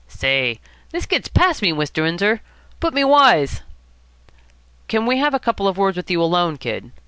"Say, this gets past me, Mr. Windsor. Put me wise." "Can we have a couple of words with you alone, Kid?"